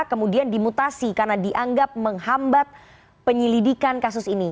kemudian dimutasi karena dianggap menghambat penyelidikan kasus ini